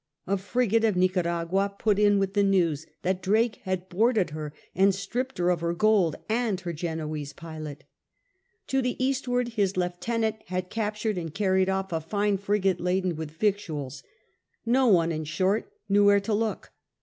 A frigate of Nicaragua put in with news that Drake had boarded her and stripped her of her gold and her Genoese pilot To the eastward his lieutenant had captured and carried off a fine frigate laden with victuals. No one, in short, knew where to look.